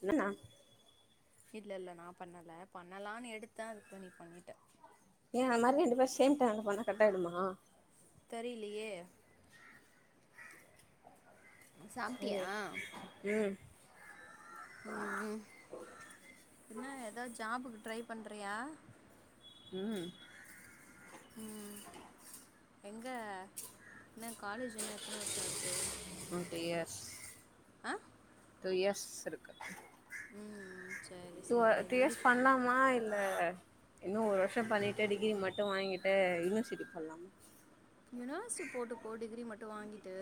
என்னனா இல்ல இல்ல நா பண்ணல பண்ணலானு எடுத்தே அதுக்குள்ள நீ பண்ணிட்ட அந்த மாரி ரெண்டு பேரு சேம் டைம்ல பண்ணா கட்டாயிடுமா தெரிலயே சாப்ட்டியா சேரி உம் ம் என்ன ஏதாது ஜாபுக்கு ட்ரை பண்றியா உம் எங்கே இன்னு காலேஜ் இன்னு எத்தன வருஷ இருக்கு த்ரீ இயர்ஷ் ஆ த்ரீ இயர்ஷ் இருக்கு ம் சரி டூ சரி அது த்ரீ இயர்ஷ் முடிச்சு பண்லாமா இல் ல இன்னு ஒரு வருஷ பண்ணிட்டு டிகிரி மட்டு வாங்கிட்டு யூனிவர்சிட்டி பண்லாமா யுனிவர்சிட்டி போட்டுக்கோ டிகிரி மட்டு வாங்கிட்டு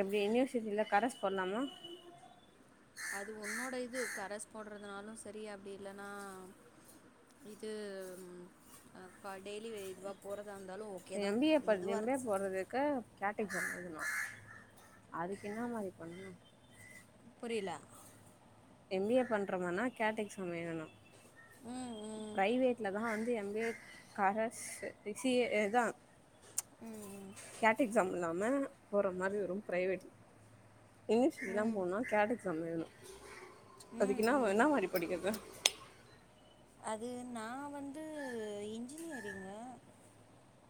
எப்டி யூனிவர்சிட்டில கரஸ் போட்லாமா அது உன்னோட இது கரஷ் போடுறதுனாலு சரி அப்டி இல்லனா இது ப டெய்லி இதுவா போற எம் பி ஏ படு எம் பி ஏ போடுறதுக்கு கே பண்றதுனா அதுக்கு என்னா மாரி பண்ணு புரில எம் பி ஏ பண்றோமனா கேட் எக்ஸாம் வேணுனா ம் ம் ப்ரைவேட்லதா வந்து எம் ஏ கரஷ் இதா கேட் எக்ஸாம் இல்லாம போ ற மாரி வரு ப்ரைவேட் இ எச் டி தா போணுனா கேட் எக்ஸாம் வேணு அதுக்கு ம் இன்னா ம் இன்னா மாரி படிக்கறது அது நா வந்து இன்ஜினியரிங்கு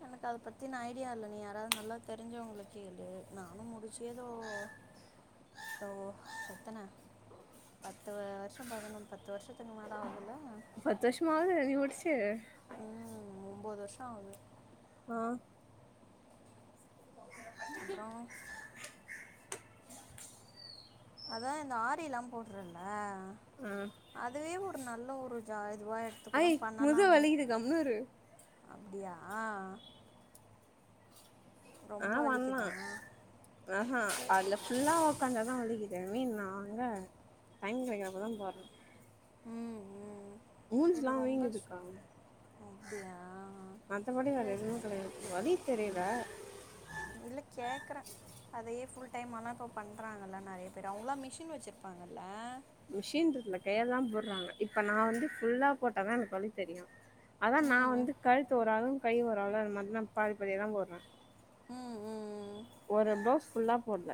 எனக்கு அத பத்தின ஐடியா இல்ல நீ யாராது நல்லா தெரிஞ்சவங்கள கேளு நானு முடிச்சி ஏதோ எத்தன பத்து வருஷ பதனொ பத்து வருஷத்துக்கு மேல ஆகுதுல பத்து வருஷமா ஆவுது நீ முடிச்சு ம் ஒம்போது வருஷ ஆகுது ஆ அப்றோ அதா இந்த ஆரில்லா போட்றன்ல அ தே ஒரு நல்ல ஒரு ஜா இதுவாக எடுத்து கூட அய் முதுகு வலிக்குது கம்முனிரு அப்டியா ஆ வண்ணா அஹா அதுல ஃபுல்லா உக்காந்து தா வலிக்கிது ஐ மீன் நா எங்க டைம் கெடக்கறப்பதா போட்ற செரி ரொம்ப சு வீங்குதுக்கா அப்டியா மத்தபடி இல்ல வேற எதுவு கெடையாது வலி தெரியல இல்ல கேக்கற அதையே ஃபுல் டைமாலா இப்ப பண்றாங்க இல்ல நெறைய பேரு அவங்களா மிஷின் வெச்சுருப்பாங்க இல்ல மிஷின்ருல்ல கைலதா போடறாங்க இப்ப நா வந்து ஃபுல்லா போட்டாதா எனக்கு வலி தெரியு அதா நா ம் வந்து கழுத்து ஓரளவு கை வருல்ல அந்த மாரி நா பாதி பாதியாதா போடற ம் ம் ஒரு ப்ளவ்ஸ் ஃபுல்லா போடல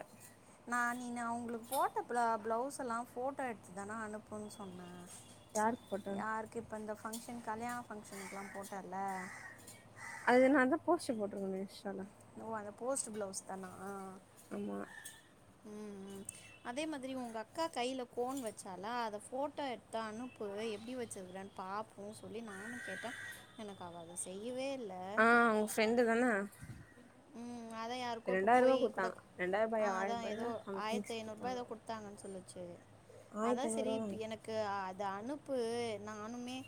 நா நீனு அவங்களுக்கு போட்ட பிளா பிளவுஸ் எல்லா ஃபோட்டோ எடுத்துதான அனுப்புன் சொன்ன யாருக்கு போட்டே யாருக்கு இப்ப இந்த ஃபங்க்ஷன் கல்யாண ஃபங்க்ஷனுக்லா போட்டல அது நாந்தா போஸ்ட் போட்ருந்தனே இன்ஸ்டால ஓ அந்த போஸ்ட் பிளவுஸ் தானா ஆமா ம் ம் அதே மாதிரி உங்க அக்கா கைல கோன் வெச்சால அத ஃபோட்டோ எடுத்து அனுப்பு எப்டி வெச்சுருக்றன் பாப்போ சொல்லி நானு கேட்ட எனக்கு அவ அத செய்யவே இல் ஆ உங் ஃப்ரெண்டு தான ம் அதா யாருக்கோ இப்ப போயி கூட ரெண்டாயிர ஆ ரூபாயா ஆயிர அதா எதோ ரூபாயா சம்திங்ஸ் ஆயரத்து ஐநூறுபா குடுத்தாங்க எதோ குடுத்தாங்கன் சொல்லுச்சு அ ஆயிரத்தி அதான் ஐநூறு செரி ரூபா இப்ப நெனைக்கிறே எனக்கு அத அனுப் [unintelligible] நானுமே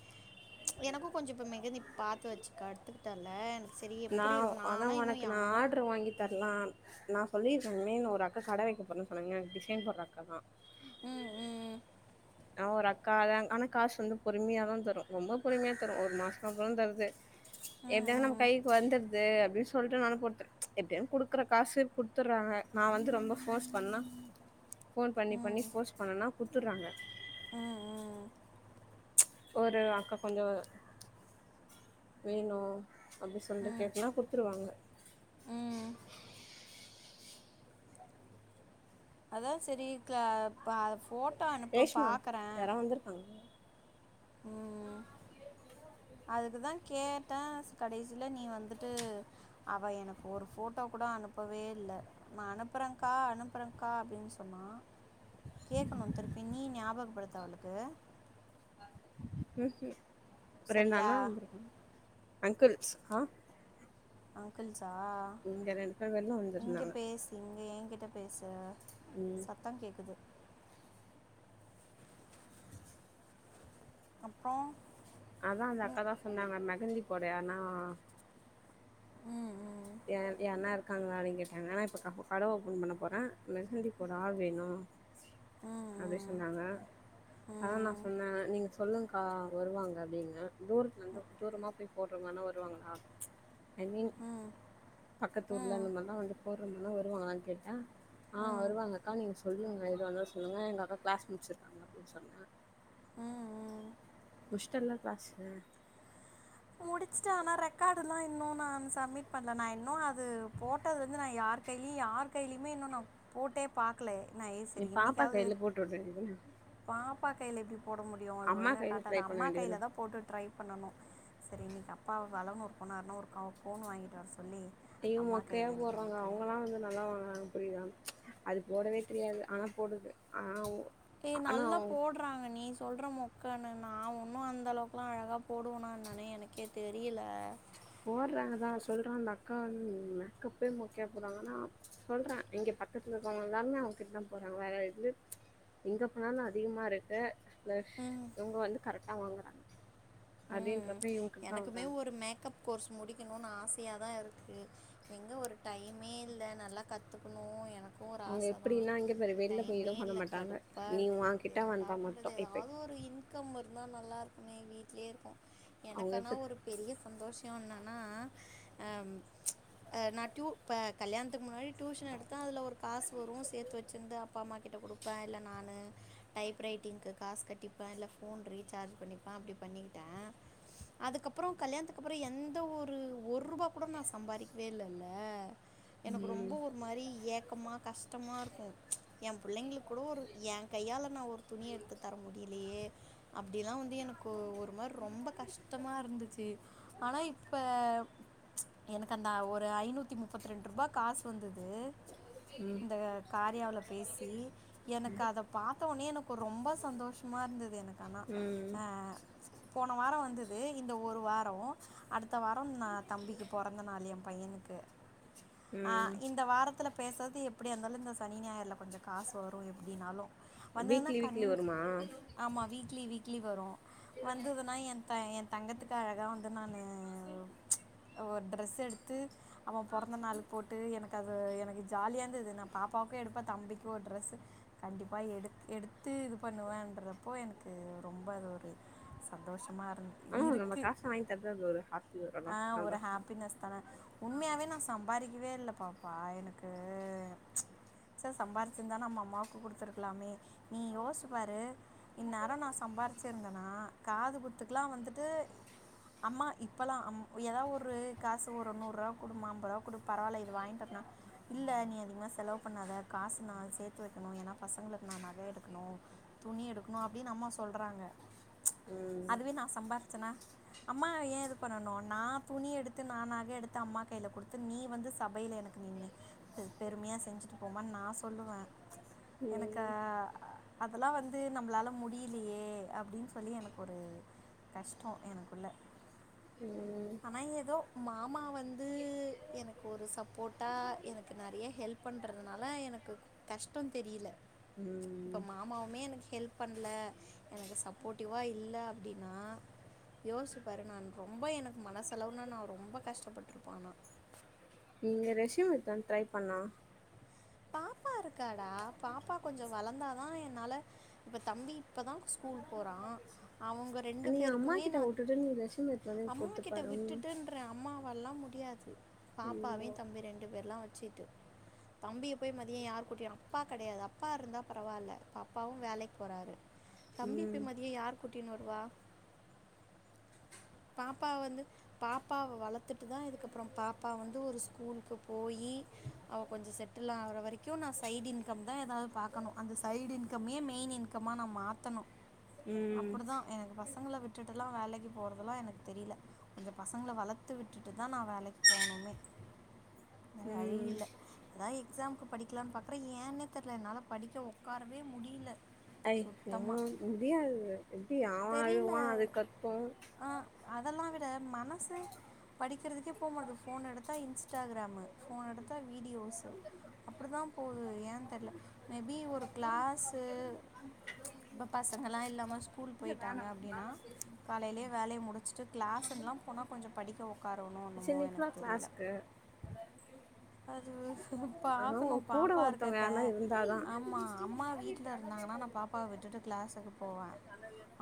ச் எனக்கும் கொஞ்சோ இப்ப மெகந்தி பாத்து வச்சுக்க கத்துக்கட்டன்ல எனக்கு சரி எப்டி இருக்கு நானா இன்னும் யா லட்டரு வாங்கி தரலாம் நான் சொல்லிருக்கேன்னு [unintelligible] ஒரு அக்கா கடை வைக்க போறேன்னு சொன்னுங்க எனக்கு டிசைன் போடுற அக்கா தான் உம் உம் உம் ஆஹ் ஒரு அக்கா தா ஆனா காசு வந்து பொறுமையாதான் தரும் ரொம்ப பொறுமையா தரும் ஒரு மாசத்கு ஒருக்கா தா தருது ம் எப்டியாது நம்ம ம் கைக்கு வந்துடுது அப்டின்னு சொ சொல்ட்டு நானு குடுத்தேன் ச் எப்டியாது குடுக்குற காசு குடுத்துடுறாங்க நான் வந்து ரொம்ப ஃபோர்ஸ் பண்ணா ஃபோன் பண்ணி பண்ணி ஃபோர்ஸ் பண்ணனா குடுத் த்துற்றாங்க உம் உம் ஒரு அக்கா கொஞ்சோ வேணு அப்டி சொல்ட்டு ம் கேட்டனா குடுத்துருவாங்க ம் ம் அதான் செரி க்ள பாஃப் ரேஷ்மா யாரோ வந்திருக்காங்க ம் அதுக்குதா கேட்டே கடைசில நீ வந்துட்டு அவ எனக்கு ஒரு ஃபோட்டோ கூட அனுப்பவே இல்ல நா அனுப்புறேன்க்கா அனுப்புறேன்க்கா அப்டின்னு சொன்னா கேட்கணு திருப்பி நீ ஞாபகப்படுத்து அவளுக்கு ஹும் ஹும் ரெண்டு சரியா அண்ணா வந்திருக்காங்க அங்கிள்ஸ் ஆஹ் அங்கிள்ஸ் இங்க ரெண்டு பேரு வெள்ல வந்திருந்தாங்க என் கிட்ட பேசு ம் சத்தோ கேக்குது அப்போ அதா‌ அந்த அக்கா தா சொன்னாங்க மெஹந்தி போட யார்னா உம் உம் யார் யார்னா இருக்காங்களா அப்டின்னு கேட்டாங்க நா இப்ப கஹ கட ஓப்பன் பண்ண போறே மெகந்தி போட ஆள் வேணு அப்டி சொன்னாங்க அதா நா ம் சொன்னே நீங்க சொல்லுங் கா வருவாங்க அப்டினே தூரத்துல இருந்து தூரமா போய் போடுறவங்கனா வருவாங்களா ச் உம் பக்கத்து ஊர்ல [unintelligible] வந்து போற் துல்லா வருவாங்களான் கேட்ட ஆ வருவாங்கக்கா நீங்க சொல்லுங் க எதுவாருந்தாலு சொல்லுங்க எங்க அக்கா க்ளாஸ் முடிச்சிருக்காங்க அப்டின் சொன்ன முஷ்டல்ல க்ளாஸு முடிச்சுட்டே ஆனா ரெக்காடுல்லா இன்னு நானு சப்மிட் பண்ல நா இன்னு அது போட்டது வந்து நா யார் கைலியு யார் கைலியுமே இன்னு நா போட்டே பாக்லே நீ பாப்பா கைல போட்டு உட்ற வேண்டியதான ப்பா கைல‌ எப்டி போட முடியு அது அம்மா ஒழுங்கா கைல காட்டாது ட்ரை பண்ண அம்மா கைல வேண்டியதான தா போட்டு ட்ரை பண்ணணு சரி இன்னிக் அப்பா வலனூர் போனார்னா ஒரு க கோனு வாய்ன்ட்டு வர சொ ஐயோ மொக்கையா போட்றாங்க அவுங்கல்லா வந்து நல்லா வாங்னாங்க புரிதா அது போடவே தெரியாது ஆனா போடுது ஆனா ஏ ஆனா நல்லா போட்றாங்க நீ சொல் ற மொக்கனு நா ஒன்னு அந்த அளவுக்லா அழகா போடுவனா என்னானே எனக்கே தெரியல போட்றாங்க தா சொல்றா அந்த அக்கா வந் மேக்கப்பே மொக்கயா போட்றாங்க நா சொல்ற இங்க பக்கத்துல இருக்கவங்க எல்லாமே அவுங்க்கிட்ட தா போட்றாங்க வேற எதுல எங்க போனாலு அதிகமா இருக்கு [unintelligible] இவுங்க வந்து கரெக் ட்டா வாங்குறாங் ம் அப்டின்றப்ப இவுங்க்கிட்ட தா எனக்குமே வராங்க ஒரு மேக்கப் கோர்ஸ் முடிக்கணுனு ஆசையா தா இருக்கு எங்க ஒரு டைமே இல்ல நல்லா கத்துக்குணு எனக் கு ஒரு அவங்க ஆச தா எப்டின்னா இங்க பாரு வெளில போய் டைமே எதுவு பண்ண இல்ல மாட்டாங்க கடுப்பா நீ இருக்கு உன்கிட்ட என்னடா வந்தா பண்றது மட்டு இப்ப எதாது ஒரு இன்க்கம் வ இருந்தா நல்லாருக்குமே வீட் லயே இருக்கோ அவங்க எனக்கானா எப்ப ஒரு பெரிய சந்தோஷ் ஒ ஒன்னனா ஆ அ நா ட்யூ இப்ப கல்யாணத்துக் முன்னாடி ட்யூஷன் எடுத்தா அதுல ஒரு காசு வரு சேத்து வச்சிர்ந்து அப்பா அம்மா கிட் ட குடுப்ப இல்ல நானு டைப் ரைட்டிங்கு காஸ் கட்டிப்ப இல்ல ஃபோன் ரீசார்ஜ் பண்ணிப்ப அப்டி பண்ணிக்கிட்ட அதுக்கப்றோ கல்யாணத்துக்கப்றோ எந்த ஒரு ஒருபா கூட நா சம்பாரிக்கவே இல்லல எனக்கு ரொம்போ ம் ஒரு மாரி ஏக்கமா கஷ்டமா இருக்கு ஏ புள்ளைங்களுக் கூடோ ஒரு ஏ கையால நா ஒரு துணி எடுத்து தர முடிலையே அப்டில்லா வந்து எனக் க்கு ஒரு மார் ரொம்பக் கஷ்டமா இருந்துச்சி ஆனா இப்ப எனக்கு அந்த ஒரு ஐநூத்தி முப்பத்ரெண்ரூபா காசு வந்தது இந்த காரியாவுல பேசி எனக் கு அத பாத்தோனயே எனக்கு ரொம்ப சந்தோஷமா இருந்தது எனக் ஆனா ம் ஆ போன வார வந்துது இந்த ஒரு வாரோ அடுத்த வாரம் நா தம்பிக்கு பொறந்த நாளு எம் பையனுக்கு ஆ ம் இந்த வாரத்துல பேசறது எப்டியாருந்தாலு இந்த சனி ஞாயறுல கொஞ்ச காசு வரு எப்டின்னாலு வீக்லி வீக்லி வருமா லி வீக்லி வரு வந்துதுன்னா எ த எ தங்கத்துக்கு அழகா வந்து நானு ஒரு ட்ரெஸ் எடுத்து அவ பொறந்த நாள் போட்டு எனக்கு அது எனக்கு ஜாலியா இருந்துது நா பாப்பாக்கு எடுப்பே தம்பிக்கு ஒரு ட்ரெஸ் கண்டிப்பா எடுத் எடுத்து இது பண்ணுவேன்றப்போ எனக்கு ரொம்ப அது ஒரு சந்தோஷ மா இருந் ஆனா நம்ம இருக்கு காசு வாங்கி தரது அது ஒரு ஹாப்பி வரும்ல ஆ ஒரு சந்தோஷோ ஹேப்பினஸ் தான உண்மையாவே நா சம்பாரி க்கவே இல்ல பாப்பா எனக்கு சே சம்பாரிச்சிருந்தா நம்ம அம்மாவுக்கு குடுத்துருக்கலாமே நீ யோசிச்சு பாரு இன்னேரோ நா சம்பாரிச்சிருந்த னா காது குத்துக்குலா வந்துட்டு அம்மா இப்பலா அம் எதா ஒரு காசு ஒரு நூறுவா குடுமா அம்பருவா குடு பரவால்ல இது வாங்ட்டு வர்னா இல்ல நீ அதிகமா செலவு பண்ணாத காசு நா சேத்து வெக்கணு ஏனா பசங்களுக்கு நா நகை எடுக்கணு துணி எடுக்கணு அப்டினு அம்மா சொல்றாங்க ம் அதுவே நா சம்பாரிச்சனா அம்மா ஏ இது பண்ணணு நா துணி எடுத்து நா நகை எடுத்து அம்மா கைல குடுத்து நீ வந்து சபைல எனக்கு நின்னு பெ பெருமையா செஞ்சுட்டு போமான் நா சொல்லுவ எனக்கு ம் அதல்லா வந்து நம்ளால முடிலியே அப்டின் எனக்கொரு கஷ்டோ எனக்குள்ள ம் ஆனா எதோ மாமா வந்து எனக்கு ஒரு சப்போட்டா எனக்கு நெறையா ஹெல்ப் பண்றதுனால எனக்கு கஷ்ட தெரில இப்ப ம் மாமவுமே எனக்கு ஹெல்ப் பண்ல எனக்கு சப் போட்டா இல்ல அப்டின்னா யோசிச்சுப்பாரு நான் ரொம்போ எனக்கு மனசலவுல நா ரொம்ப கஷ்டப்பட்ருப்ப ஆனா நீங்க ரெஸ்யூம் எத்தா ட்ரை பண்ணா பாப்பா இருக்காடா பாப்பா கொஞ்ச வளந்தாதா என்னால இப்ப தம்பி இப்பதா ஸ்கூல் போறா அவ்ங்க ரெண்டு நீ அம்மா பேருக்குமே கிட்ட நா விட்டுட்டு நீ ரெஸ்யூம் எடுத்து வந்து எனக்கு அம்மு குடுத்து கிட்ட பாரு ம் விட்டுடுன்ற அம்மா வல்லா முடியாது பாப்பாவே தம்பி ரெண்டு பேர்லா வ சிட்டு தம்பிய போய் மதிய யார் கூட்டியா அப்பா கடையாது அப்பா இருந்தா பரவால்ல இப்ப அப்பாவு வேலைக் போறாரு தப்பிப் ம் பேய் மதிய யார் கூட்டி டின்வருவா பாப்பாவ வந்து பாப்பாவ வளத்து தா இதுக்கப்றோ பாப்பா வந்து ஒரு ஸ்கூல்க்கு போயி அவ கொஞ்ச செட் தில்லா ஆகுற வரி க்யு நா சைட்இன்கம் தா எதாவ்து பாக்கணு அந்த சைட் இன்கமே மெயின் இன் கமா நா மாத்தணு ம் அப்புடுதா எனக்கு பசங்ள விட்டுட்டு லா வேலைக்கு போற் துலா எனக் தெரில கொஞ்ச பசங்ள வளத்து விட்டுட்டு தா நா வேலைக் போணுமே வழி ம் இல்ல அதா எக்ஸாம்க்கு படிக்கலான் பாக்ற ஏன்னே தெர்ல என்னால படிக்க உக்காரவே முடில ஐயோ முடியாது எப்டி அவ தெரியல அழுவா அது கத்து ஆ அதல்லா விட மனசு படிக்கிறதுக்கே போ மாட்டுது ஃபோன் எடுத்தா இன்ஸ்டாகிராம் ம ஃபோன் அ எடுத்தா வீடியோசு அப்டிதா போது ஏன் தெர்ல மேபி ஒரு கிளாசு இப்ப பசங்களா இல்லாம ஸ்கூல் போய்டாங்க அப்டினா காலைலே வேலைய முடிச்சுட்டு க்ளாஸன்லா போனா கொஞ்சோ படிக்க உட்காரோனோ சரி என்னமோ நீ போடா எனக்கு தெரியல கிளாஸ்க்கு அது ஆனா பாக்குணு உன் கூட பாப்பா ஒருத்தவங்க இருக்கப்ப யாருனா இருந்தாதா ஆமா அம்மா வீட்டுல இருந்தாங்கன்னா நா பாப்பாவ விட்டுட்டு க்ளாஸ்சுக்கு போவே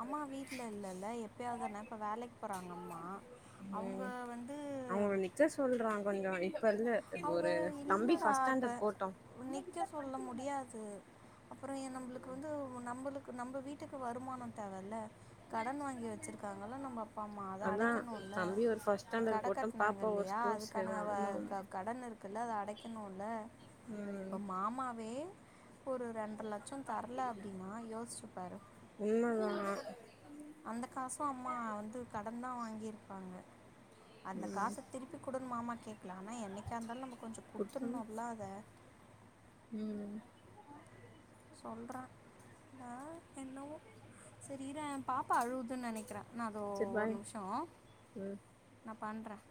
அம்மா வீட்டுல இல்லல்ல எப்பயாவது இப்ப வேலைக்கு போறாங்க அம்மா அவங்க ம் வந்து அவங்கள நிக்க சொல்றா கொஞ்சோ இப்ப இருந்து அவங்க ஒரு தம்பி இல்லடா ஃபஸ்ட் இப்ப ஸ்டாண்டர்ட் போட்டு நிக்க சொல்ல முடியாது அப்ப நம்பளுக்கு வந்து நம்பளுக்கு நம்ப வீட் வீட்டுக்கு வருமானம் தேவைல கடன் வாங்கி வச்சிருக்காங்கல நம்ப அப்பா அம்மா அத அதா அடைக்கணுல தம்பி ஒரு ஃபஸ்ட் இப்ப ஸ்டாண்டர்ட் கடை போட்டு கட்டனாங்க பாப்பா ஒரு இல்லியா ஸ்கூல் அதுக்கான சேரா ஆமா வ ஆமா கடன் இருக்குல அத அடைக்கணுல ம் இப்போ மாமாவே ஒரு ரெண்டர லட்சம் சும் தரல அப்டின்னா யோசிச்சுபாரு உண்மதா அந்த காசும் அம்மா வந்து கடன் தான் வாங்கிரு வாங்க அந்த ம் காச திருப்பி குடுங்க மாமா கே ப்ளானா என்ன எப்டியாருந்தாலும் நம்ம கொஞ்சோ குடுத்தோனா குடுத்துருனுல அத ம் பண்றான் அ என்னவோ சரி இரேன் பாப்பா அழுவுதுன் நெனைக்கறேன் நான் தோ சரி ஒரு பாய் நிமிஷோ ம் நா பண்றன்